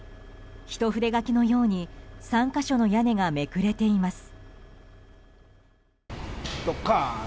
一筆書きのように３か所の屋根がめくれています。